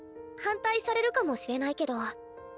反対されるかもしれないけど。